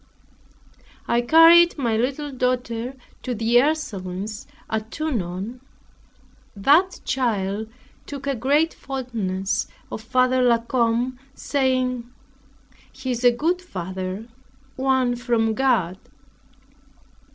I carried my little daughter to the Ursulines at Tonon. That child took a great fondness for Father La Combe, saying, "He is a good father, one from God."